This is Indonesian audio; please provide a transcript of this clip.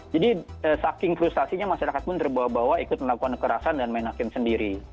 jadi saking frustasinya masyarakat pun terbawa bawa ikut melakukan kekerasan dan main hakim sendiri